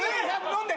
飲んで！